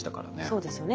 そうですよね。